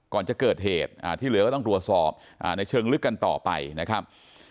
ก่อนจะเกิดเหตุที่เหลือก็ต้องตรวจสอบในเชิงลึกกันต่อไปนะครับ